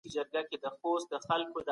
هر ډول اسانتیاوې شته.